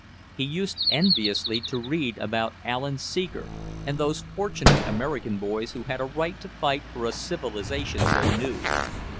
He used enviously to read about Alan Seeger and those fortunate American boys who had a right to fight for a civilization they knew.